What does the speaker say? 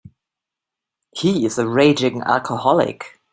He is a raging alcoholic.